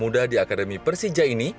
muda di akademi persija ini